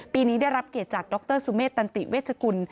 ปีนี้ได้รับเกียรติจากดรสุเมษตันติเวชกุล